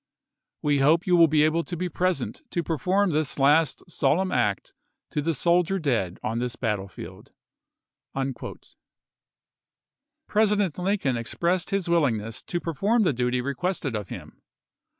We hope to Slfoin. y<5^ "^ill be able to be present to perform this last Nov^2a863: goienjji act to the soldier dead on this battlefield." President Lincoln expressed his willingness to perform the duty requested of him.